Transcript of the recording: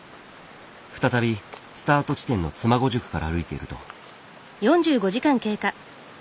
再びスタート地点の妻籠宿から歩いていると。